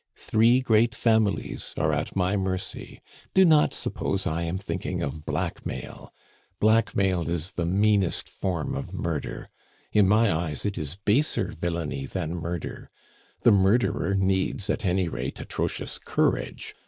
Three great families are at my mercy. Do not suppose I am thinking of blackmail blackmail is the meanest form of murder. In my eyes it is baser villainy than murder. The murderer needs, at any rate, atrocious courage.